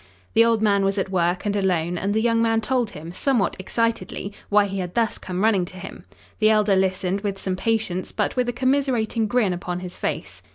The old man was at work and alone and the young man told him, somewhat excitedly, why he had thus come running to him. The elder listened with some patience but with a commiserating grin upon his face.